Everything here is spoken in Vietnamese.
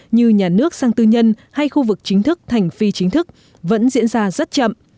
như nhà nước sang tư nhân hay khu vực chính thức thành phi chính thức vẫn diễn ra rất chậm